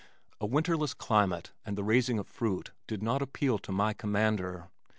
A winterless climate and the raising of fruit did not appeal to my Commander.